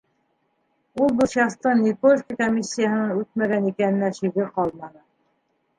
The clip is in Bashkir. Ул был частың Никольский комиссияһынан үтмәгән икәненә шиге ҡалманы.